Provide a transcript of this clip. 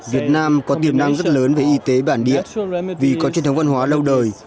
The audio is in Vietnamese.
việt nam có tiềm năng rất lớn về y tế bản địa vì có truyền thống văn hóa lâu đời